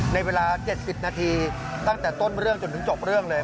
ในเวลา๗๐นาทีตั้งแต่ต้นเรื่องจนถึงจบเรื่องเลย